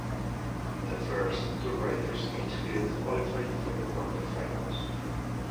The first two riders in each heat qualified for the quarterfinals.